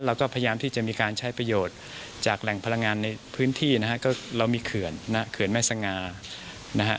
เราก็พยายามที่จะมีการใช้ประโยชน์จากแหล่งพลังงานในพื้นที่นะฮะก็เรามีเขื่อนนะฮะเขื่อนแม่สง่านะฮะ